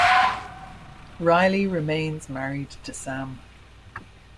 Riley remains married to Sam.